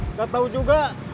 tidak tahu juga